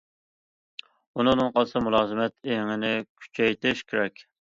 ئۇنىڭدىن قالسا مۇلازىمەت ئېڭىنى كۈچەيتىش كېرەك.